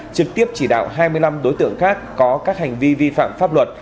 trực tiếp chỉ đạo hai mươi năm đối tượng khác có các hành vi vi phạm pháp luật